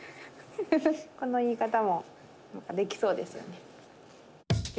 この言い方も何かできそうですよね。